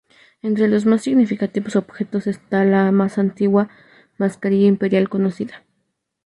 Entre los más significativos objetos están la más antigua mascarilla imperial conocida.